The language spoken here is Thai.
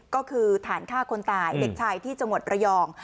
ก็คือฐานฆ่าคนตายเด็กชายที่จังหวัดระยอง